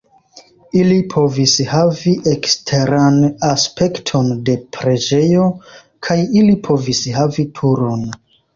Ili povis havi eksteran aspekton de preĝejo kaj ili povis havi turon.